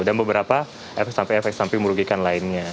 dan beberapa efek samping efek samping merugikan lainnya